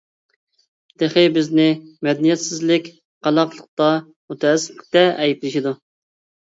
تېخى بىزنى مەدەنىيەتسىزلىك، قالاقلىقتا، مۇتەئەسسىپلىكتە ئەيىبلىشىدۇ.